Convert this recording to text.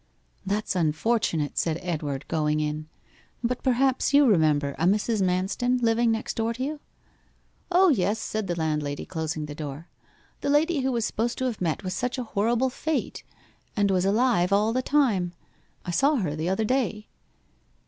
'That's unfortunate,' said Edward, going in. 'But perhaps you remember a Mrs. Manston living next door to you?' 'O yes,' said the landlady, closing the door. 'The lady who was supposed to have met with such a horrible fate, and was alive all the time. I saw her the other day.